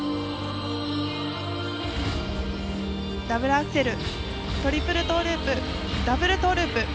ダブルアクセルトリプルトーループダブルトーループ。